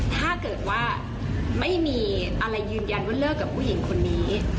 ถ้าเกิดว่าไม่มีอะไรยืนยันว่าเลิกกับผู้หญิงคนนี้